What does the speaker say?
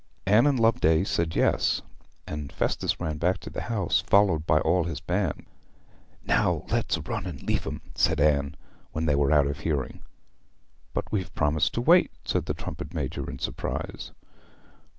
Anne and Loveday said yes, and Festus ran back to the house, followed by all his band. 'Now let's run and leave 'em,' said Anne, when they were out of hearing. 'But we've promised to wait!' said the trumpet major in surprise.